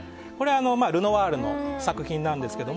ルノワールの作品ですが。